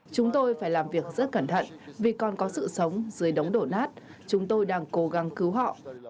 chúng tôi phải làm việc rất cẩn thận vì còn có sự sống dưới đống đổ nát chúng tôi đang cố gắng cứu họ